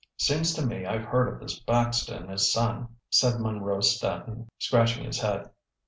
"Seems to me I've heard of this Baxter and his son," said Munro Staton, scratching his head.